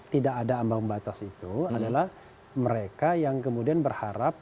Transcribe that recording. tidak ada ambang batas itu adalah mereka yang kemudian berharap